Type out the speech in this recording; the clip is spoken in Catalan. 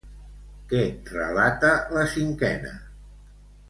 Què relata la cinquena?